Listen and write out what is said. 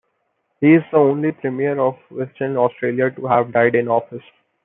He is the only Premier of Western Australia to have died in office.